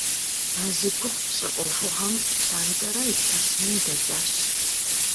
А зи гугъу пщӏы ӏуэхугъуэм лъандэрэ илъэс мин дэкӏащ.